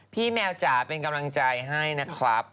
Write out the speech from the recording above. พี่แมวจ๋าเป็นกำลังใจให้นะครับ